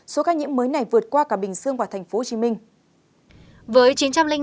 số ca nhiễm mới này vượt qua cả bình dương và thành phố hồ chí minh